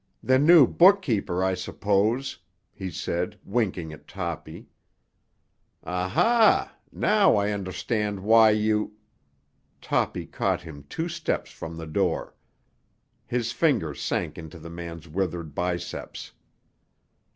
"The new bookkeeper, I suppose," he said, winking at Toppy. "Aha! Now I understand why you——" Toppy caught him two steps from the door. His fingers sank into the man's withered biceps.